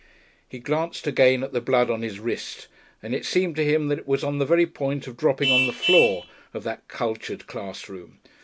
He glanced again at the blood on his wrist, and it seemed to him that it was on the very point of dropping on the floor of that cultured class room.